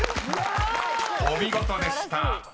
［お見事でした］